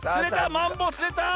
マンボウつれた！